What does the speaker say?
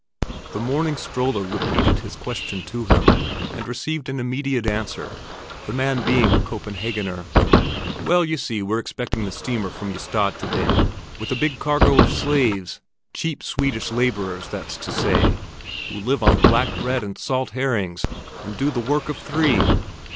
The morning stroller repeated his question to him, and received an immediate answer, the man being a Copenhagener. "Well, you see we're expecting the steamer from Ystad today, with a big cargo of slaves—cheap Swedish laborers, that's to say, who live on black bread and salt herrings, and do the work of three.